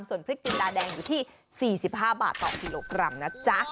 ส่วนพริกจินดาแดงอยู่ที่๔๕บาทต่อกิโลกรัมนะจ๊ะ